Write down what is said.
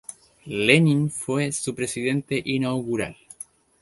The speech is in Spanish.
Lenin fue su presidente inaugural.